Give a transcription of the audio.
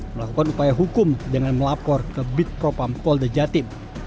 melakukan upaya hukum dengan melapor ke bid propampol dejati